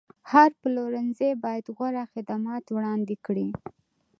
هر پلورنځی باید غوره خدمات وړاندې کړي.